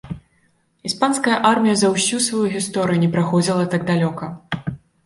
Іспанская армія за ўсю сваю гісторыю не праходзіла так далёка.